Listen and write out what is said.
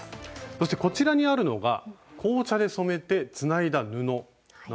そしてこちらにあるのが紅茶で染めてつないだ布なんですけど。